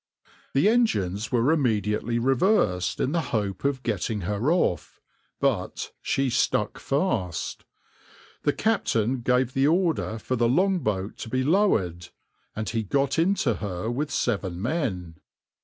The engines were immediately reversed in the hope of getting her off, but she stuck fast. The captain gave the order for the long boat to be lowered, and he got into her with seven men.